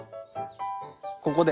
ここで。